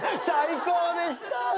最高でした！